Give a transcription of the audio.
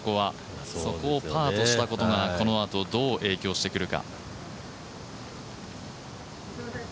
そこをパーとしたことがこのあとどう影響してくるか。